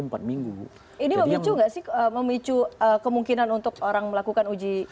ini memicu nggak sih memicu kemungkinan untuk orang melakukan uji